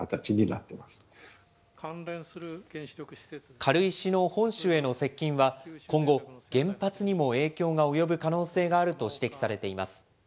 軽石の本州への接近は、今後、原発にも影響が及ぶ可能性があると指摘されています。